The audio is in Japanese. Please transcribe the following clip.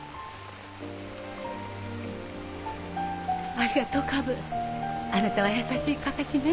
ありがとうカブあなたは優しいカカシね。